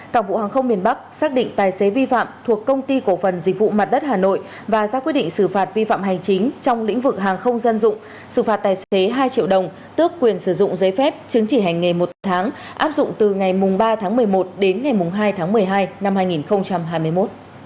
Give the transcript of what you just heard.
cảng vụ hàng không miền bắc xác định tài xế vi phạm thuộc công ty cổ phần dịch vụ mặt đất hà nội và ra quyết định xử phạt vi phạm hành chính trong lĩnh vực hàng không dân dụng xử phạt tài xế hai triệu đồng tước quyền sử dụng giấy phép chứng chỉ hành nghề một tháng áp dụng từ ngày ba tháng một mươi một đến ngày hai tháng một mươi hai năm hai nghìn hai mươi một